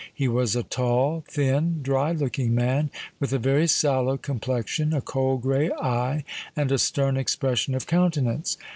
He was a tall, thin, dry looking man, with a very sallow complexion, a cold grey eye, and a stern expression of countenance.